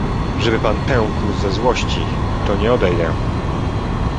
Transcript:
"Żeby pan pękł ze złości to nie odejdę."